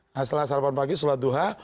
nah setelah sarapan pagi sholat duha